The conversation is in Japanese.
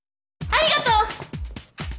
ありがとう！